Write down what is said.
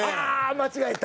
間違えた！